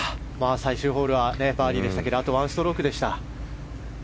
最終ホールはバーディーでしたがあと１ストロークでした。